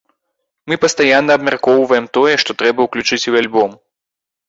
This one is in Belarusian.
Мы пастаянна абмяркоўваем тое, што трэба ўключыць у альбом.